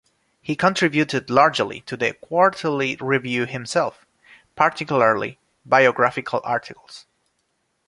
He contributed largely to the "Quarterly Review" himself, particularly biographical articles.